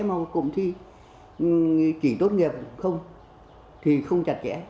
mà cụm thi kỷ tốt nghiệp không thì không chặt chẽ